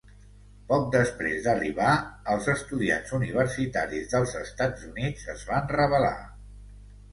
Poc després d'arribar, els estudiants universitaris dels Estats Units es van rebel·lar.